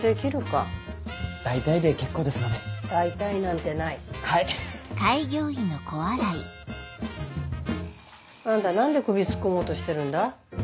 んっ。あんた何で首突っ込もうとしてるんだ？